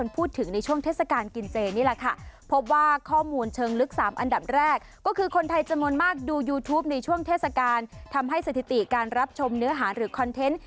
เพราะดูยูทูปในช่วงเทศกาลทำให้สถิติการรับชมเนื้อหาหรือคอนเทนต์